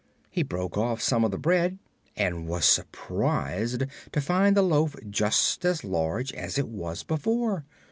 He broke off some of the bread and was surprised to find the loaf just as large as it was before.